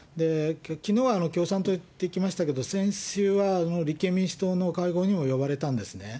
きのうは共産党行ってきましたけれども、先週は立憲民主党の会合にも呼ばれたんですね。